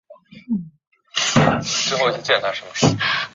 这是第六次在意大利举行赛事。